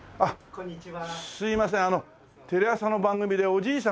こんにちは。